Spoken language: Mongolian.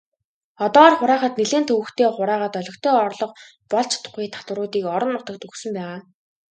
Одоогоор хураахад нэлээн төвөгтэй, хураагаад олигтой орлого болж чадахгүй татваруудыг орон нутагт өгсөн байгаа.